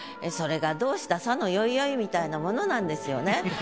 それがどうした？さのよいよいみたいなものなんですよね。